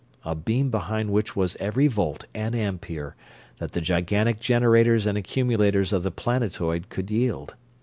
A beam behind which was every volt and ampere that the gigantic generators and accumulators of the planetoid could yield.